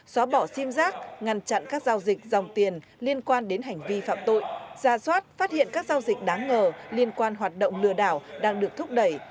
xóa bỏ sim giác ngăn chặn các giao dịch dòng tiền liên quan đến hành vi phạm tội ra soát phát hiện các giao dịch đáng ngờ liên quan hoạt động lừa đảo đang được thúc đẩy